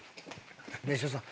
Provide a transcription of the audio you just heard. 別所さん